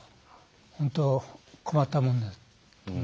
本当困ったもんです。